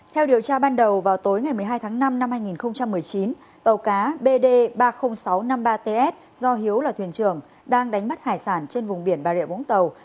theo điều tra ban đầu vào tối ngày một mươi hai tháng năm năm hai nghìn một mươi chín tàu cá bd ba mươi nghìn sáu trăm năm mươi ba ts do hiếu là thuyền trưởng đang đánh bắt hải sản trên vùng biển bà rịa vũng tàu